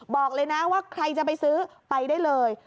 บอกเลยนะว่าใครจะไปซื้อไปได้เลย